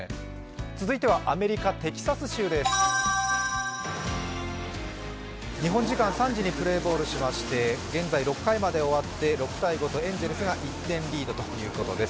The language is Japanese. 続いてはアメリカ・テキサス州です日本時間３時にプレーボールしまして、現在６回まで終わって６−５とエンゼルスが１点リードです。